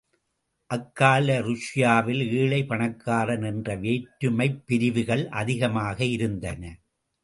அக்கால ருஷ்யாவில், ஏழை, பணக்காரன் என்ற வேற்றுமைப் பிரிவுகள் அதிகமாக இருந்தன.